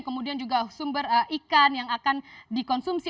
kemudian juga sumber ikan yang akan dikonsumsi